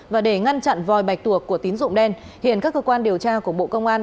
và để ngăn chặn vòi bạch tuộc của tín dụng đen hiện các cơ quan điều tra của bộ công an